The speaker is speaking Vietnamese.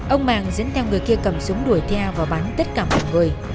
ông màng dẫn theo người kia cầm súng đuổi theo và bắn tất cả mọi người